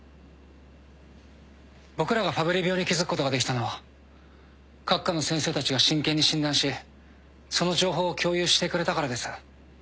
僕らがファブリー病に気付くことができたのは各科の先生たちが真剣に診断しその情報を共有してくれたからです。